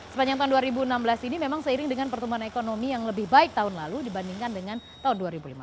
sepanjang tahun dua ribu enam belas ini memang seiring dengan pertumbuhan ekonomi yang lebih baik tahun lalu dibandingkan dengan tahun dua ribu lima belas